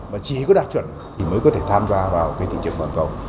và chỉ có đạt chuẩn thì mới có thể tham gia vào cái thị trường toàn cầu